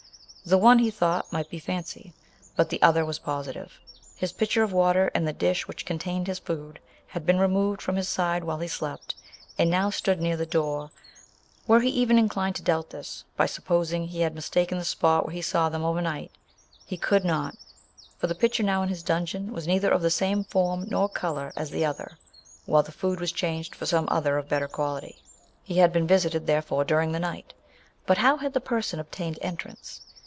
The one, he thought, might be fancy; but the other, was positive. His pitcher of water, and the dish which contained his food, had been removed from his side while he slept, and now stood_ near the door. Were he even incline' to doubt this, by supposing he h(V mistaken the spot where he saw tin . over night, lie could not, for the pit cher now in his dungeon was neither of Ate «ame form nor colour ;is tin' Btkiur» wiuV the food was changed for some other of better <|u;ility. lie had born \i«i;ed then lore during the night. Hut how had the person obtained entrance